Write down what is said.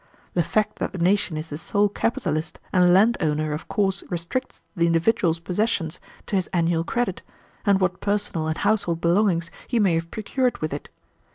The fact that the nation is the sole capitalist and land owner of course restricts the individual's possessions to his annual credit, and what personal and household belongings he may have procured with it.